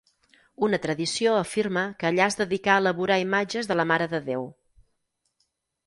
Una tradició afirma que allà es dedicà a elaborar imatges de la Mare de Déu.